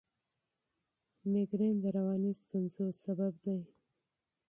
مېګرین د رواني ستونزو سبب دی.